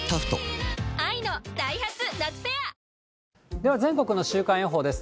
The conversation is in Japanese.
では、全国の週間予報です。